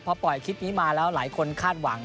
พอปล่อยคลิปนี้มาแล้วหลายคนคาดหวัง